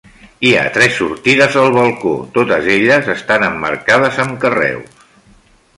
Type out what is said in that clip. Hi ha tres sortides al balcó, totes elles estan emmarcades amb carreus.